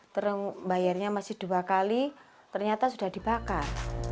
terus bayarnya masih dua kali ternyata sudah dibakar